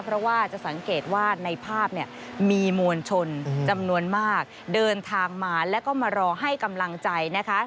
เพราะว่าจะสังเกตว่าในภาพเนี่ยมีมวลชนจำนวนมากเดินทางมาแล้วก็มารอให้กำลังใจนะคะ